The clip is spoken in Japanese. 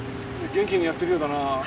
元気にやってるようだな。